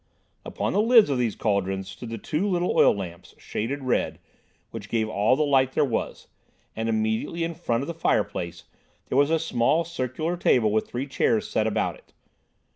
Upon the lids of these cauldrons stood the two little oil lamps, shaded red, which gave all the light there was, and immediately in front of the fireplace there was a small circular table with three chairs set about it.